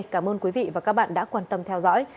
cảm ơn quý vị và các bạn đã quan tâm theo dõi